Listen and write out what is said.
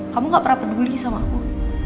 kamu gak pernah peduli sama aku